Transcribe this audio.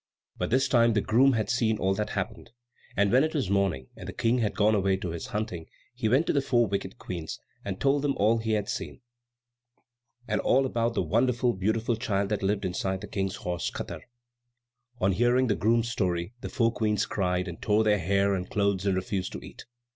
But this time the groom had seen all that happened, and when it was morning, and the King had gone away to his hunting, he went to the four wicked Queens, and told them all he had seen, and all about the wonderful, beautiful child that lived inside the King's horse Katar. On hearing the groom's story the four Queens cried, and tore their hair and clothes, and refused to eat.